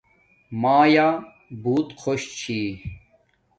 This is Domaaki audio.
مایا بوت خوش چھی